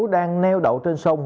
đang neo đậu trên sông